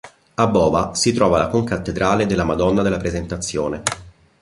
A Bova si trova la concattedrale della Madonna della Presentazione.